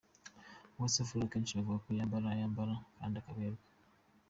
Uwase Flora benshi bavuga ko yambara yambara kandi akabera .